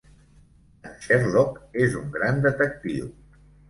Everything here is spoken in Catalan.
En Sherlock és un gran detectiu.